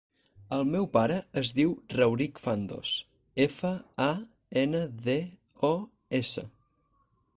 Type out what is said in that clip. El meu pare es diu Rauric Fandos: efa, a, ena, de, o, essa.